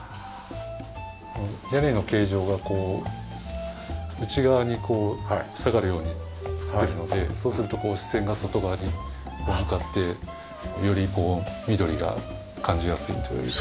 屋根の形状が内側に下がるように作ってるのでそうすると視線が外側に向かってより緑が感じやすいというか。